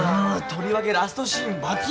とりわけラストシーン抜群！